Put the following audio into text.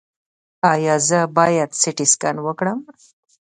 ایا زه باید سټي سکن وکړم؟